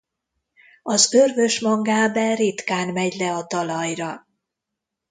Az örvös mangábe ritkán megy le a talajra.